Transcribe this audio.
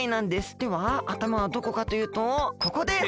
ではあたまはどこかというとここです。